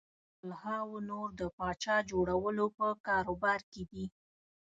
په سلهاوو نور د پاچا جوړولو په کاروبار کې دي.